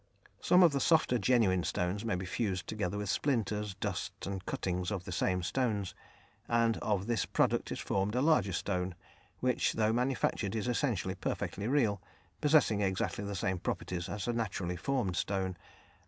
Some of the softer genuine stones may be fused together with splinters, dust, and cuttings of the same stones, and of this product is formed a larger stone, which, though manufactured, is essentially perfectly real, possessing exactly the same properties as a naturally formed stone.